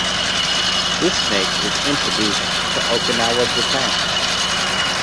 This snake is introduced to Okinawa, Japan.